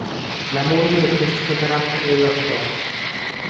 La moglie per questo suo carattere lo lasciò.